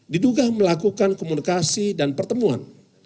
diduga melakukan komunikasi dan pertemuan